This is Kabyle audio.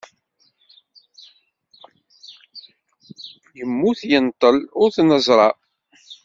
Yemmut, yenṭel ur t-neẓra.